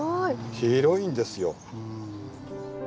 広いんですよ。